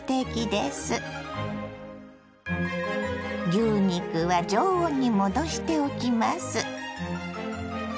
牛肉は常温に戻しておきます。